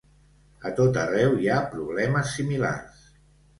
A tot arreu hi ha problemes similars.